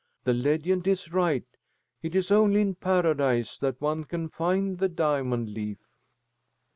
The legend is right. It is only in Paradise that one can find the diamond leaf."